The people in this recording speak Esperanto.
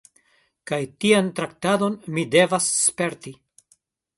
Kaj tian traktadon mi devas sperti!